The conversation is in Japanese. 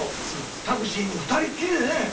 タクシーに２人っきりでね。